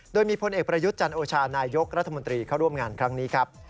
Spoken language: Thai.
โดยมีพลเอกประยุทธ์จันโอชานายกรัฐมนตรีเข้าร่วมงานครั้งนี้ครับ